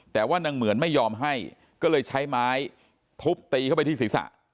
แต่ว่านางเหมือนไม่ยอมให้ก็เลยใช้ไม้ทุบตีเข้าไปที่ศีรษะ